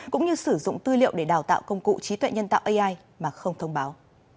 cũng như sử dụng tư liệu để đào tạo công cụ trí tuệ nhân tạo ai mà không thông báo